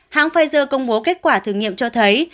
hãng pfizer công bố kết quả thử nghiệm cho thấy